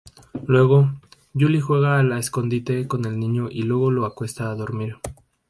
Luego, Julie juega al escondite con el niño y luego lo acuesta a dormir.